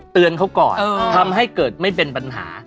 เตือนเขาก่อนทำให้เกิดไม่เป็นปัญหา